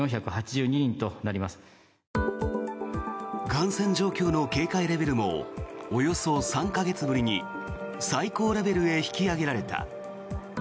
感染状況の警戒レベルもおよそ３か月ぶりに最高レベルへ引き上げられた。